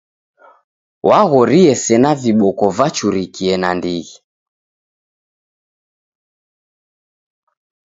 W'aghorie sena viboko vachurikie nandighi.